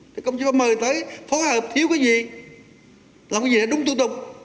thế công chí bà mời tới phó hợp thiếu cái gì làm cái gì để đúng thủ tục